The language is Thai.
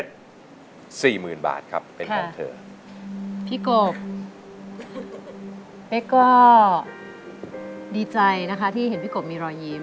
เป๊กก็ดีใจนะคะที่เห็นพี่กบมีรอยยิ้ม